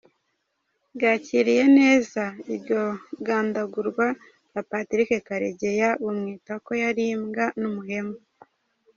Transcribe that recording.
Bwakiriye neza iryo gandagurwa rya Patrick Karegeya, bumwita ko yari "imbwa, n'umuhemu".